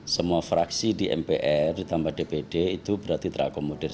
semua fraksi di mpr ditambah dpd itu berarti terakomodir